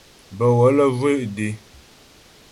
Bə̀ wələ zhwé dé.